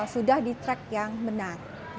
sudah di track yang benar